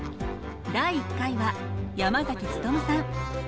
第１回は山努さん。